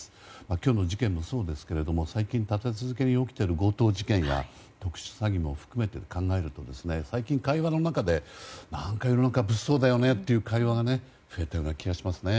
今日の事件もそうですが最近、立て続けに起きている強盗事件や特殊詐欺も含めて考えると最近会話の中で何か世の中物騒だよねという会話が増えたような気がしますね。